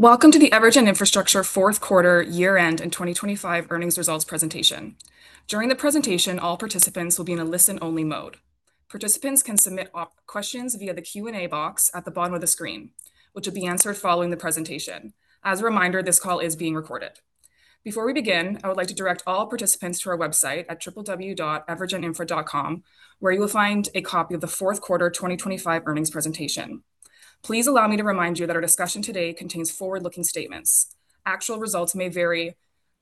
Welcome to the EverGen Infrastructure fourth quarter year-end and 2025 earnings results presentation. During the presentation, all participants will be in a listen-only mode. Participants can submit questions via the Q&A box at the bottom of the screen, which will be answered following the presentation. As a reminder, this call is being recorded. Before we begin, I would like to direct all participants to our website at www.evergeninfra.com, where you will find a copy of the fourth quarter 2025 earnings presentation. Please allow me to remind you that our discussion today contains forward-looking statements. Actual results may vary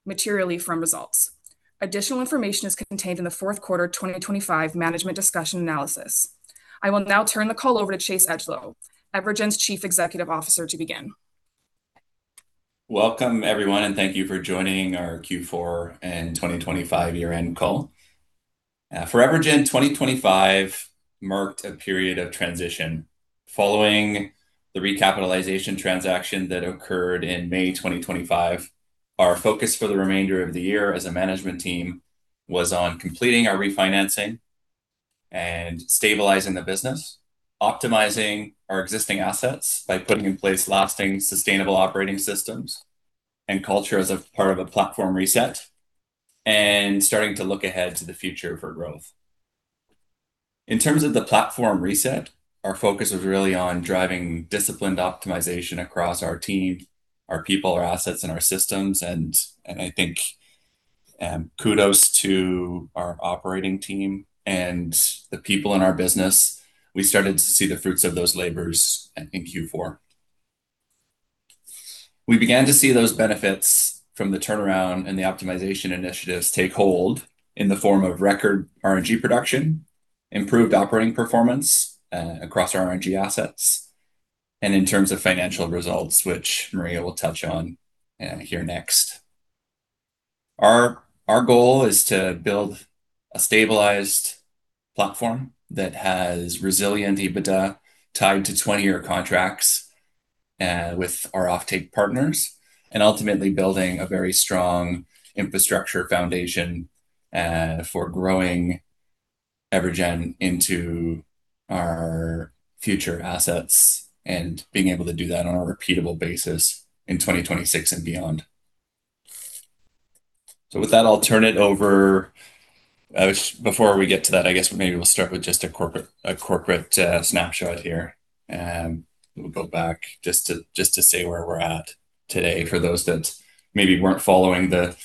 materially from results. Additional information is contained in the fourth quarter 2025 management discussion analysis. I will now turn the call over to Chase Edgelow, EverGen's Chief Executive Officer, to begin. Welcome, everyone, thank you for joining our Q4 and 2025 year-end call. For EverGen, 2025 marked a period of transition. Following the recapitalization transaction that occurred in May 2025, our focus for the remainder of the year as a management team was on completing our refinancing and stabilizing the business, optimizing our existing assets by putting in place lasting, sustainable operating systems and culture as a part of a platform reset, and starting to look ahead to the future for growth. In terms of the platform reset, our focus was really on driving disciplined optimization across our team, our people, our assets, and our systems and I think, kudos to our operating team and the people in our business. We started to see the fruits of those labors in Q4. We began to see those benefits from the turnaround and the optimization initiatives take hold in the form of record RNG production, improved operating performance across RNG assets, and in terms of financial results, which Maria will touch on here next. Our goal is to build a stabilized platform that has resilient EBITDA tied to 20-year contracts with our offtake partners, and ultimately building a very strong infrastructure foundation for growing EverGen into our future assets, and being able to do that on a repeatable basis in 2026 and beyond. With that, I'll turn it over. Before we get to that, I guess maybe we'll start with just a corporate snapshot here. We'll go back just to say where we're at today for those that maybe weren't following the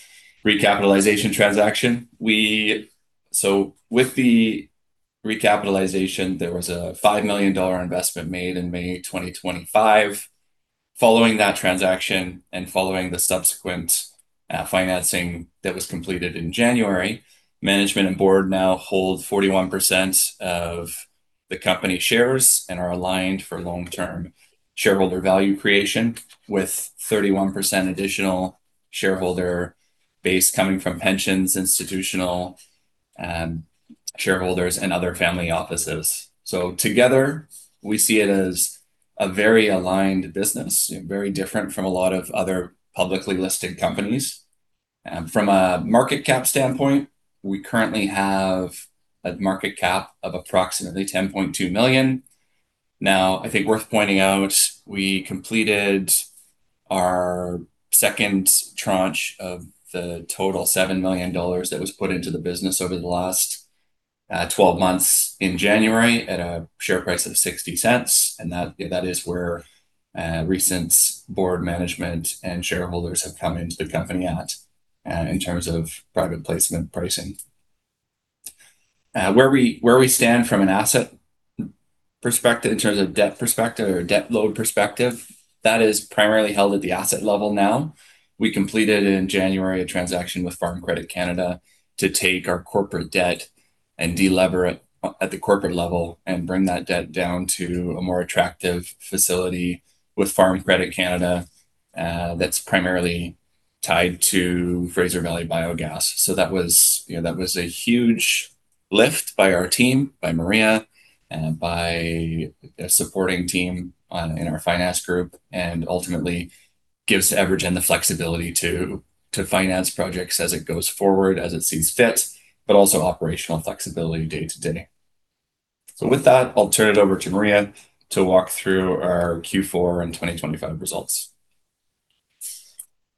recapitalization transaction. With the recapitalization, there was a 5 million dollar investment made in May 2025. Following that transaction and following the subsequent financing that was completed in January, Management and Board now hold 41% of the company shares and are aligned for long-term shareholder value creation, with 31% additional shareholder base coming from pensions, institutional shareholders and other family offices. Together, we see it as a very aligned business, very different from a lot of other publicly listed companies. From a market cap standpoint, we currently have a market cap of approximately 10.2 million. I think worth pointing out, we completed our second tranche of the total 7 million dollars that was put into the business over the last 12 months in January at a share price of 0.60, and that is where recent Board Management and shareholders have come into the company at in terms of private placement pricing. Where we, where we stand from an asset perspective in terms of debt perspective or debt load perspective, that is primarily held at the asset level now. We completed in January a transaction with Farm Credit Canada to take our corporate debt and de-lever it at the corporate level and bring that debt down to a more attractive facility with Farm Credit Canada that's primarily tied to Fraser Valley Biogas. That was, you know, that was a huge lift by our team, by Maria, by the supporting team, in our finance group, and ultimately gives EverGen the flexibility to finance projects as it goes forward, as it sees fit, but also operational flexibility day-to-day. With that, I'll turn it over to Maria to walk through our Q4 and 2025 results.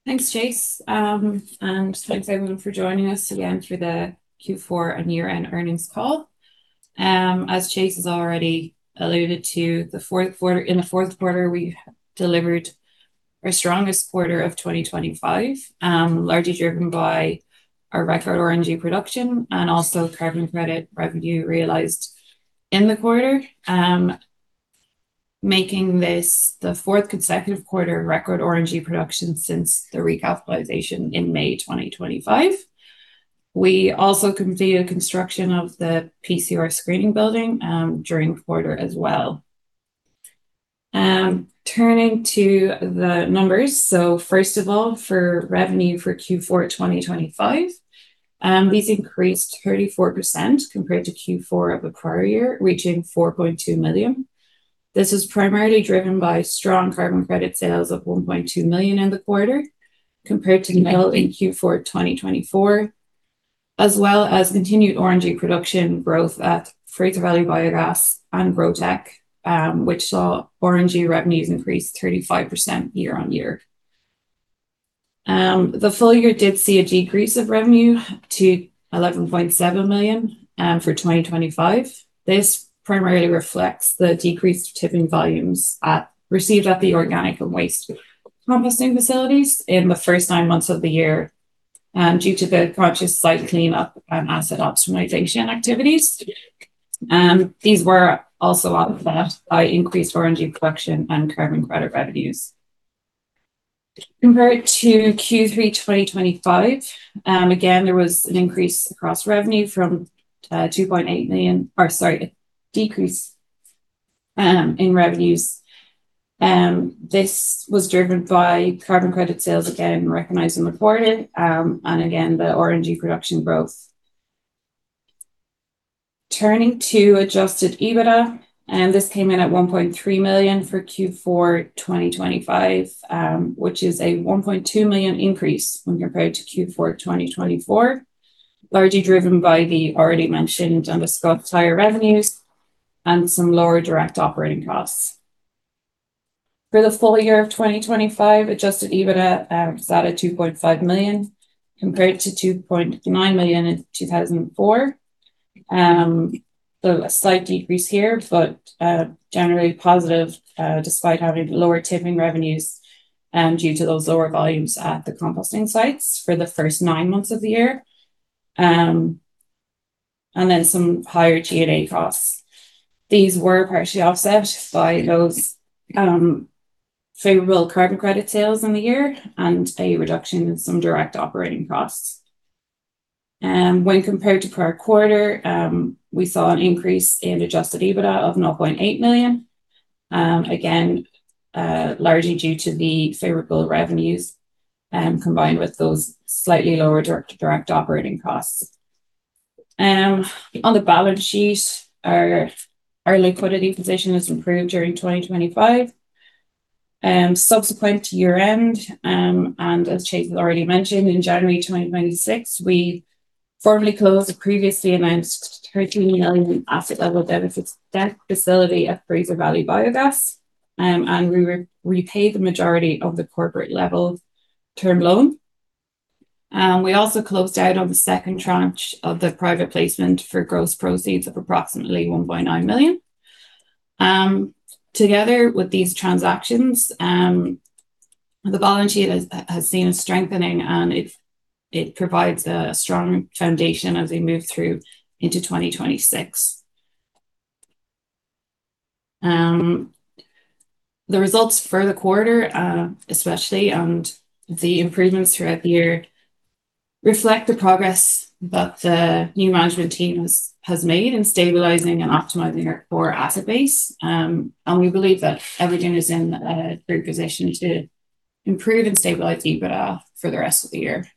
Thanks, Chase. Thanks everyone for joining us again for the Q4 and year-end earnings call. As Chase has already alluded to, in the fourth quarter, we delivered our strongest quarter of 2025, largely driven by our record RNG production and also carbon credit revenue realized in the quarter, making this the fourth consecutive quarter of record RNG production since the recapitalization in May 2025. We also completed construction of the PCR screening building during the quarter as well. Turning to the numbers. First of all, for revenue for Q4 2025, these increased 34% compared to Q4 of the prior year, reaching 4.2 million. This is primarily driven by strong carbon credit sales of 1.2 million in the quarter compared to nil in Q4 2024. As well as continued RNG production growth at Fraser Valley Biogas and GrowTEC, which saw RNG revenues increase 35% year-on-year. The full year did see a decrease of revenue to 11.7 million for 2025. This primarily reflects the decreased tipping volumes received at the organic and waste composting facilities in the first nine months of the year due to the conscious site cleanup and asset optimization activities. These were also offset by increased RNG production and carbon credit revenues. Compared to Q3 2025, again, there was an increase across revenue from 2.8 million, or sorry, a decrease in revenues. This was driven by carbon credit sales, again, recognized and reported, and again, the RNG production growth. Turning to adjusted EBITDA, this came in at 1.3 million for Q4 2025, which is a 1.2 million increase when compared to Q4 2024, largely driven by the already mentioned tipping revenues and some lower direct operating costs. For the full-year of 2025, Adjusted EBITDA was at 2.5 million compared to 2.9 million in 2004. Though a slight decrease here, but generally positive, despite having lower tipping revenues, due to those lower volumes at the composting sites for the first nine months of the year. Then some higher G&A costs. These were partially offset by those favorable carbon credit sales in the year and a reduction in some direct operating costs. When compared to prior quarter, we saw an increase in adjusted EBITDA of 0.8 million. Again, largely due to the favorable revenues, combined with those slightly lower direct operating costs. On the balance sheet, our liquidity position has improved during 2025. Subsequent to year-end, and as Chase has already mentioned, in January 2026, we formally closed the previously announced 13 million asset level benefits debt facility at Fraser Valley Biogas. We repaid the majority of the corporate level term loan. We also closed out on the second tranche of the private placement for gross proceeds of approximately 1.9 million. Together with these transactions, the balance sheet has seen a strengthening, and it provides a strong foundation as we move through into 2026. The results for the quarter, especially and the improvements throughout the year reflect the progress that the new management team has made in stabilizing and optimizing our core asset base. We believe that EverGen is in a great position to improve and stabilize EBITDA for the rest of the year.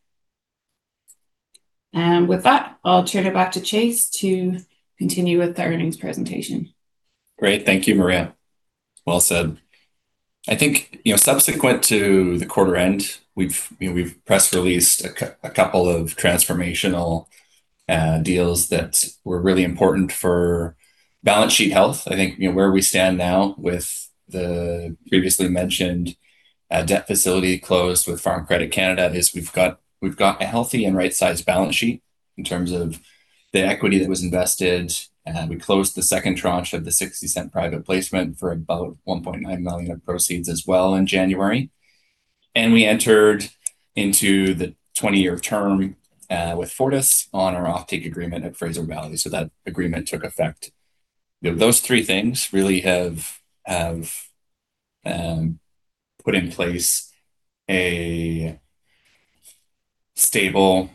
With that, I'll turn it back to Chase to continue with the earnings presentation. Great. Thank you, Maria. Well said. I think, you know, subsequent to the quarter end, we've, you know, we've press released a couple of transformational deals that were really important for balance sheet health. I think, you know, where we stand now with the previously mentioned debt facility closed with Farm Credit Canada is we've got a healthy and right-sized balance sheet in terms of the equity that was invested. We closed the second tranche of the 0.60 private placement for about 1.9 million of proceeds as well in January. We entered into the 20-year term with Fortis on our offtake agreement at Fraser Valley, so that agreement took effect. You know, those three things really have put in place a stable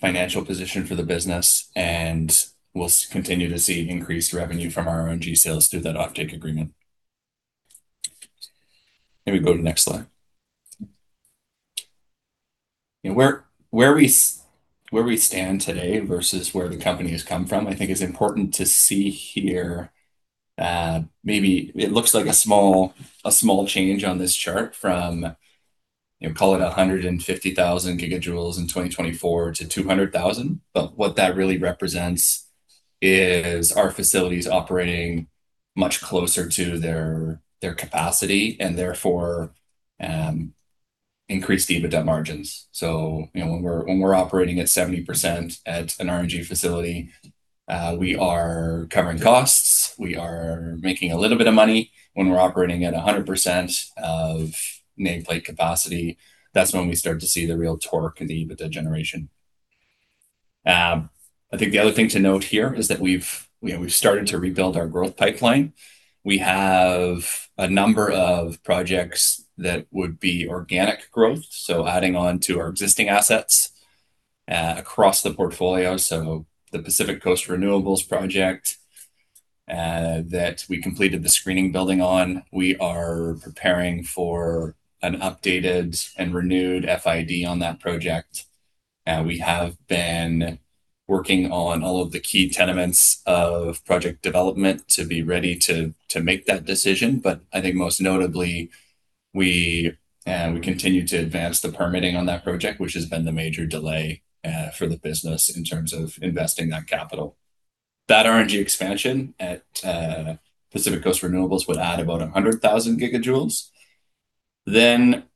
financial position for the business, and we'll continue to see increased revenue from our RNG sales through that offtake agreement. Can we go to next slide? You know, where we stand today versus where the company has come from, I think is important to see here. Maybe it looks like a small change on this chart from, you know, call it 150,000 GJ in 2024 to 200,000 GJ. What that really represents is our facilities operating much closer to their capacity, and therefore, increased EBITDA margins. You know, when we're operating at 70% at an RNG facility, we are covering costs. We are making a little bit of money. When we're operating at 100% of nameplate capacity, that's when we start to see the real torque in the EBITDA generation. I think the other thing to note here is that we've, you know, we've started to rebuild our growth pipeline. We have a number of projects that would be organic growth, so adding on to our existing assets across the portfolio. The Pacific Coast Renewables project that we completed the screening building on. We are preparing for an updated and renewed FID on that project. We have been working on all of the key tenements of project development to be ready to make that decision. I think most notably, we continue to advance the permitting on that project, which has been the major delay for the business in terms of investing that capital. That RNG expansion at Pacific Coast Renewables would add about 100,000 GJ.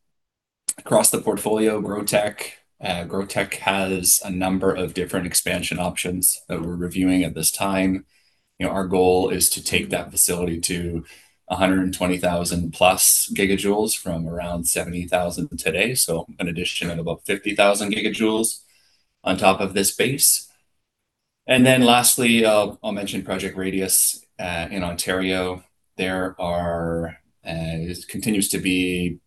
Across the portfolio, GrowTEC. GrowTEC has a number of different expansion options that we're reviewing at this time. You know, our goal is to take that facility to 120,000+ GJ from around 70,000 GJ today, so an addition of about 50,000 GJ on top of this base. Lastly, I'll mention Project Radius in Ontario. There are, it continues to be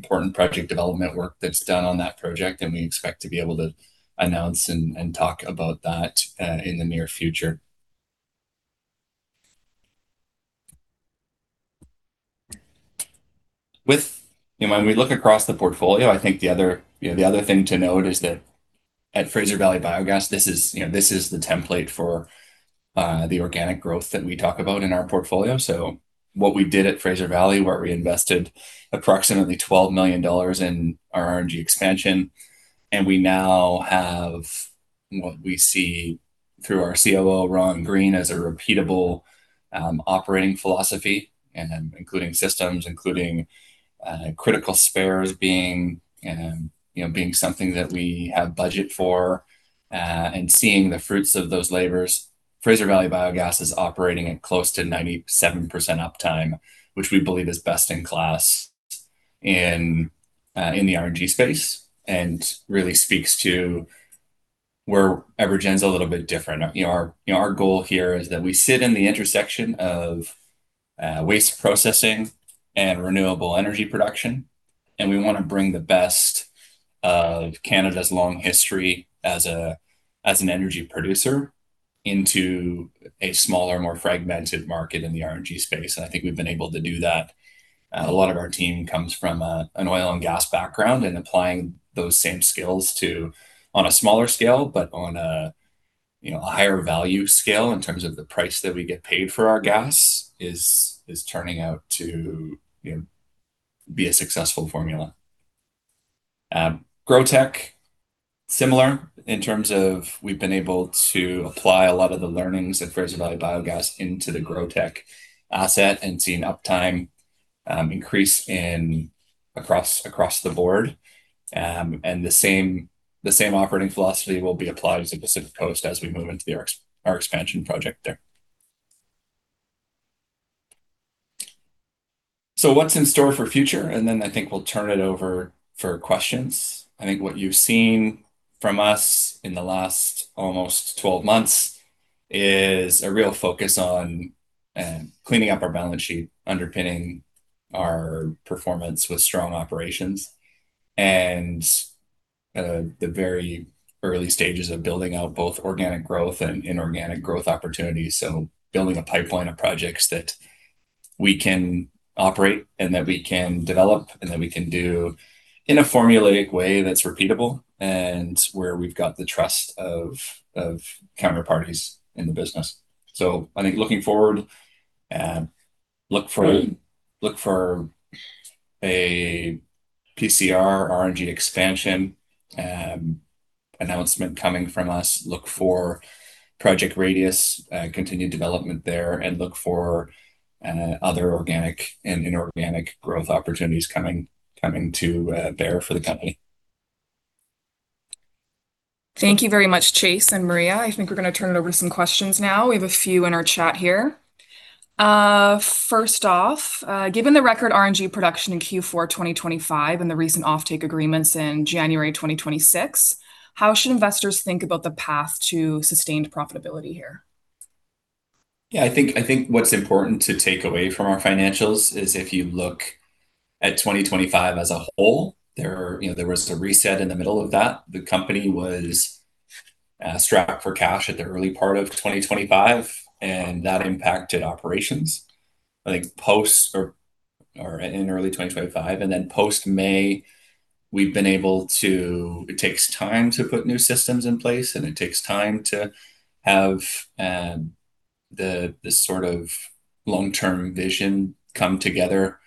important project development work that's done on that project, and we expect to be able to announce and talk about that in the near future. With, you know, when we look across the portfolio, I think the other, you know, the other thing to note is that at Fraser Valley Biogas, this is, you know, this is the template for the organic growth that we talk about in our portfolio. What we did at Fraser Valley, where we invested approximately 12 million dollars in our RNG expansion, and we now have what we see through our COO Ron Green as a repeatable operating philosophy. Including systems, including critical spares being, you know, being something that we have budget for and seeing the fruits of those labors. Fraser Valley Biogas is operating at close to 97% uptime, which we believe is best in class in the RNG space, and really speaks to where EverGen's a little bit different. You know, our, you know, our goal here is that we sit in the intersection of waste processing and renewable energy production, and we wanna bring the best of Canada's long history as an energy producer into a smaller, more fragmented market in the RNG space, and I think we've been able to do that. A lot of our team comes from an oil and gas background, and applying those same skills to, on a smaller scale, but on a, you know, a higher value scale in terms of the price that we get paid for our gas, is turning out to, you know, be a successful formula. GrowTEC, similar in terms of we've been able to apply a lot of the learnings at Fraser Valley Biogas into the GrowTEC asset and seen uptime, increase across the board. The same operating philosophy will be applied to Pacific Coast as we move into our expansion project there. What's in store for future? Then I think we'll turn it over for questions. I think what you've seen from us in the last almost 12 months is a real focus on cleaning up our balance sheet, underpinning our performance with strong operations and the very early stages of building out both organic growth and inorganic growth opportunities. Building a pipeline of projects that we can operate and that we can develop and that we can do in a formulaic way that's repeatable and where we've got the trust of counterparties in the business. I think looking forward, look for a PCR RNG expansion announcement coming from us. Look for Project Radius, continued development there, and look for other organic and inorganic growth opportunities coming to bear for the company. Thank you very much, Chase and Maria. I think we're gonna turn it over to some questions now. We have a few in our chat here. First off, given the record RNG production in Q4 2025 and the recent offtake agreements in January 2026, how should investors think about the path to sustained profitability here? I think what's important to take away from our financials is if you look at 2025 as a whole, there, you know, there was a reset in the middle of that. The company was strapped for cash at the early part of 2025, and that impacted operations. I think post or in early 2025. Post-May. It takes time to put new systems in place, and it takes time to have the sort of long-term vision come together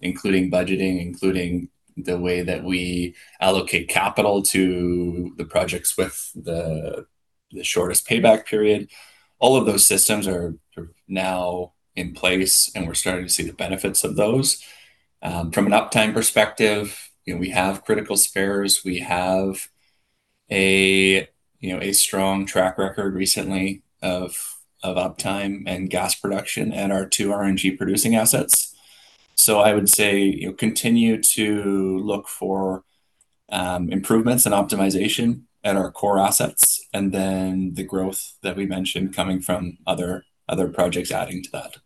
including budgeting, including the way that we allocate capital to the projects with the shortest payback period. All of those systems are now in place, and we're starting to see the benefits of those. From an uptime perspective, you know, we have critical spares. We have a, you know, a strong track record recently of uptime and gas production at our two RNG-producing assets. I would say, you know, continue to look for improvements and optimization at our core assets, and then the growth that we mentioned coming from other projects adding to that.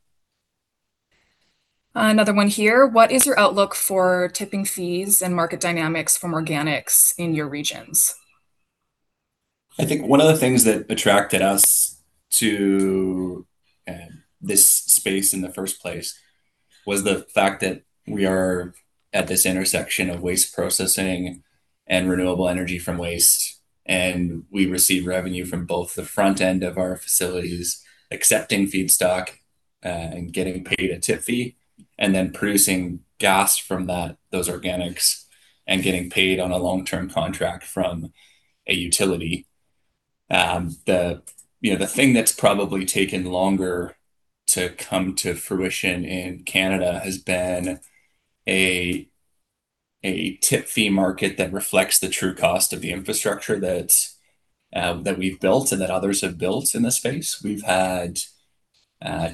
Another one here. What is your outlook for tipping fees and market dynamics from organics in your regions? I think one of the things that attracted us to this space in the first place was the fact that we are at this intersection of waste processing and renewable energy from waste, and we receive revenue from both the front end of our facilities accepting feedstock and getting paid a tip fee, and then producing gas from those organics and getting paid on a long-term contract from a utility. The, you know, the thing that's probably taken longer to come to fruition in Canada has been a tip fee market that reflects the true cost of the infrastructure that we've built and that others have built in this space. We've had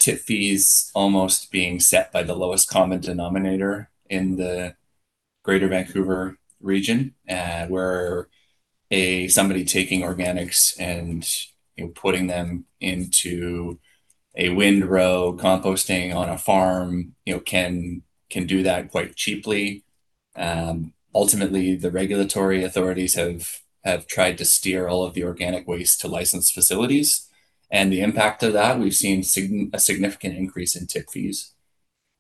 tip fees almost being set by the lowest common denominator in the greater Vancouver region. Somebody taking organics and, you know, putting them into a windrow composting on a farm, you know, can do that quite cheaply. Ultimately, the regulatory authorities have tried to steer all of the organic waste to licensed facilities, and the impact of that, we've seen a significant increase in tip fees.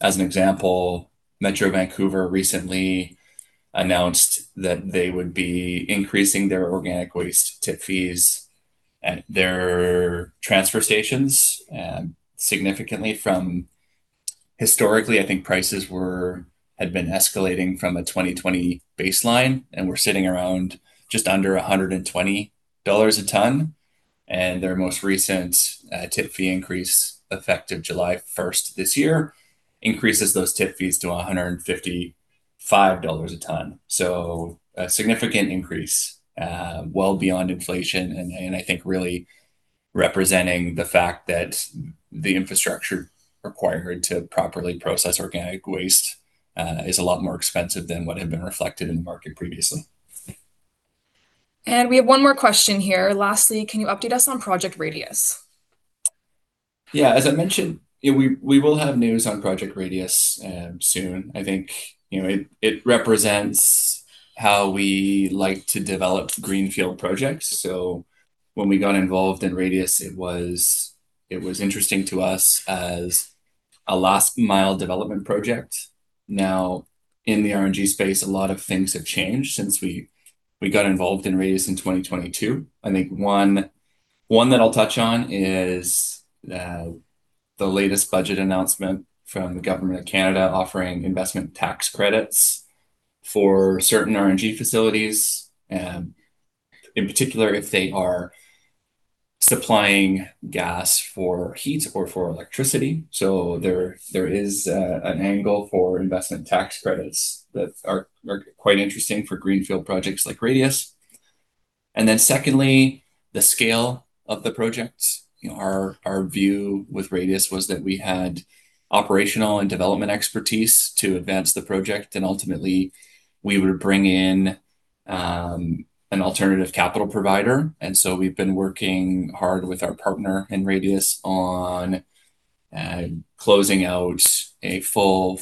As an example, Metro Vancouver recently announced that they would be increasing their organic waste tip fees at their transfer stations significantly from Historically, I think prices were, had been escalating from a 2020 baseline and were sitting around just under 120 dollars a ton, and their most recent tip fee increase, effective July 1st this year, increases those tip fees to 155 dollars a ton. A significant increase, well beyond inflation and I think really representing the fact that the infrastructure required to properly process organic waste is a lot more expensive than what had been reflected in the market previously. We have one more question here. Lastly, can you update us on Project Radius? As I mentioned, we will have news on Project Radius soon. You know, it represents how we like to develop greenfield projects. When we got involved in Radius, it was interesting to us as a last-mile development project. In the RNG space, a lot of things have changed since we got involved in Radius in 2022. One that I'll touch on is the latest budget announcement from the government of Canada offering investment tax credits for certain RNG facilities, in particular if they are supplying gas for heat or for electricity. There is an angle for investment tax credits that are quite interesting for greenfield projects like Radius. Secondly, the scale of the project. You know, our view with Project Radius was that we had operational and development expertise to advance the project, and ultimately we would bring in an alternative capital provider. We've been working hard with our partner in Project Radius on closing out a full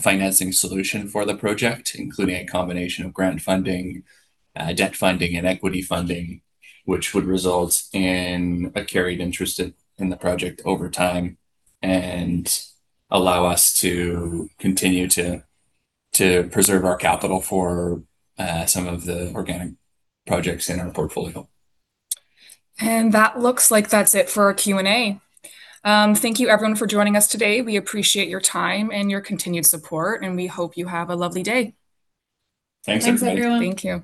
financing solution for the project, including a combination of grant funding, debt funding, and equity funding, which would result in a carried interest in the project over time and allow us to continue to preserve our capital for some of the organic projects in our portfolio. That looks like that's it for our Q&A. Thank you everyone for joining us today. We appreciate your time and your continued support, and we hope you have a lovely day. Thanks everybody. Thanks everyone. Thank you.